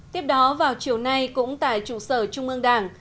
tiếp đó vào chiều nay cũng tại trụ sở trung ương đảng